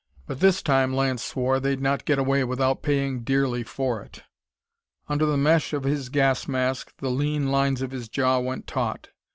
But this time, Lance swore, they'd not get away without paying dearly for it! Under the mesh of his gas mask the lean lines of his jaw went taut.